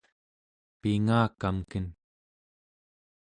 pingakamken